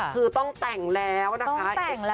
คือต้องแต่งแล้วนะคะ